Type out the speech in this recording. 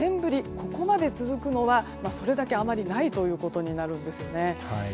ここまで続くのはそれだけあまりないということになるんです。